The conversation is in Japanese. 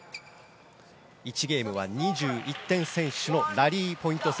１ゲームは２１点先取のラリーポイント制。